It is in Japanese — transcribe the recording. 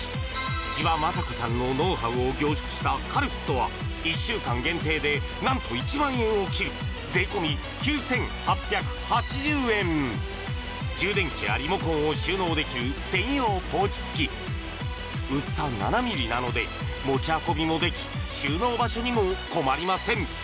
千葉真子さんのノウハウを凝縮したカルフットは１週間限定で何と１万円を切る税込９８８０円充電器やリモコンを収納できる専用ポーチ付き薄さ７ｍｍなので持ち運びもでき収納場所にも困りません